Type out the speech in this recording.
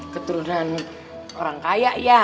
keturunan orang kaya ya